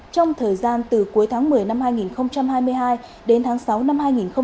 trong thời gian từ cuối tháng một mươi năm hai nghìn hai mươi hai đến tháng sáu năm hai nghìn hai mươi ba